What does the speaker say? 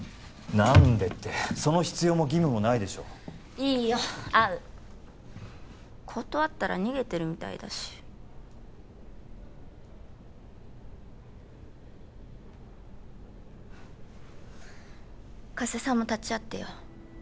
何でってその必要も義務もないでしょいいよ会う断ったら逃げてるみたいだし加瀬さんも立ち会ってよ